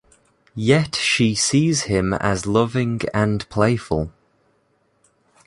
Yet she sees him as loving and playful.